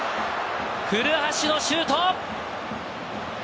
古橋のシュート！